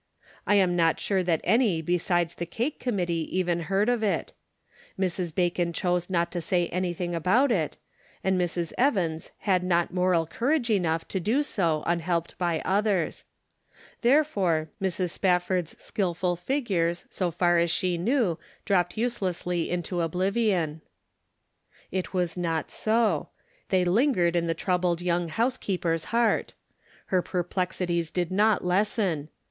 I am not sure that any besides the cake committee even heard of it. Mrs. Bacon chose not to say anything about it, and Mrs. Evans had not moral courage enough to do so unhelped by others. Therefore Mrs. Interrogation Points. 93 Evans' skillful figures, so far as she knew, dropped uselessly into oblivion. It was not so ; they lingered in the troubled young housekeeper's heart. Her perplexities did not lessen.